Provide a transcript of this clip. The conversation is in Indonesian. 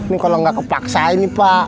ini kalau nggak kepaksa ini pak